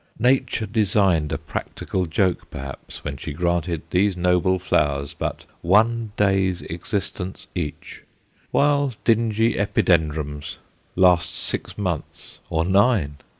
Nature designed a practical joke perhaps when she granted these noble flowers but one day's existence each, while dingy Epidendrums last six months, or nine.